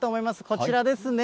こちらですね。